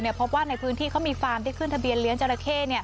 พบว่าในพื้นที่เขามีฟาร์มที่ขึ้นทะเบียนเลี้ยงจราเข้